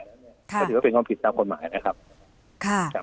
ก็ถือว่าเป็นความผิดตามกฎหมายนะครับ